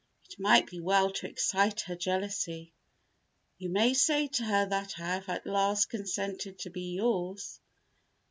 It might be well to excite her jealousy. You may say to her that I have at last consented to be yours.